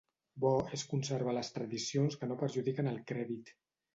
Bo és conservar les tradicions que no perjudiquen el crèdit